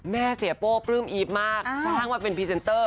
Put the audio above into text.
เสียโป้ปลื้มอีฟมากสร้างมาเป็นพรีเซนเตอร์